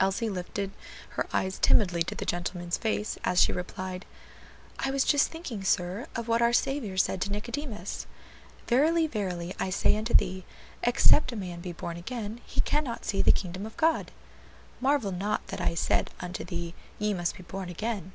Elsie lifted her eyes timidly to the gentleman's face as she replied, "I was just thinking, sir, of what our Saviour said to Nicodemus: 'Verily, verily I say unto thee, except a man be born again, he cannot see the kingdom of God.' 'Marvel not that I said unto thee, Ye must be born again.'"